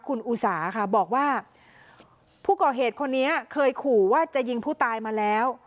คุณอุสาค่ะบอกว่าผู้ก่อเหตุคนนี้เคยขู่ว่าจะยิงผู้ตายมาแล้ว